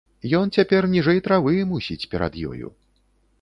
Ён цяпер ніжэй травы, мусіць, перад ёю.